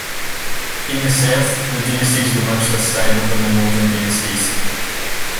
In the south, the dynasties were much less stable than the Northern Dynasties.